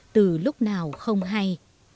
từ lúc nào không hay